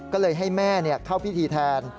ก็เลยให้แม่เข้าพิธีแทน